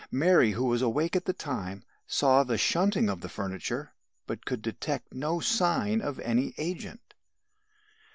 Mary, who was awake at the time, saw the shunting of the furniture, but could detect no sign of any agent.